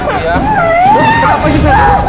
bu kenapa sih saya